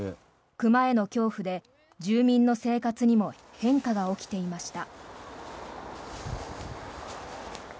熊への恐怖で、住民の生活にも変化が起きていました。